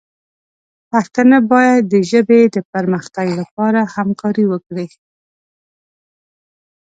پښتانه باید د ژبې د پرمختګ لپاره همکاري وکړي.